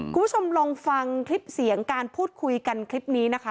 คุณผู้ชมลองฟังคลิปเสียงการพูดคุยกันคลิปนี้นะคะ